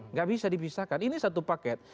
nggak bisa dipisahkan ini satu paket